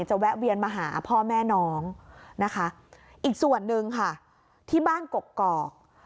แวะเวียนมาหาพ่อแม่น้องนะคะอีกส่วนหนึ่งค่ะที่บ้านกกอก